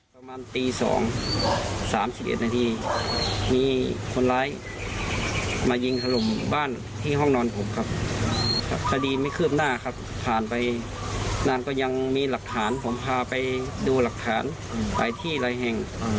ประมาณตี๒๓๑นาทีมีคนร้ายมายิงถล่มบ้านที่ห้องนอนผมครับคดีไม่คืบหน้าครับผ่านไปนานก็ยังมีหลักฐานผมพาไปดูหลักฐานไปที่หลายแห่ง